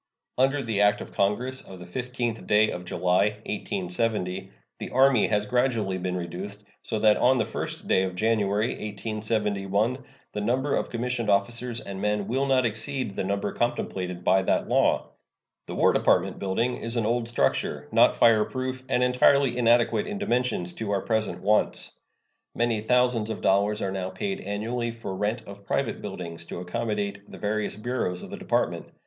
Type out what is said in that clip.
Under the act of Congress of the 15th day of July, 1870, the Army has gradually been reduced, so that on the 1st day of January, 1871, the number of commissioned officers and men will not exceed the number contemplated by that law. The War Department building is an old structure, not fireproof, and entirely inadequate in dimensions to our present wants. Many thousands of dollars are now paid annually for rent of private buildings to accommodate the various bureaus of the Department.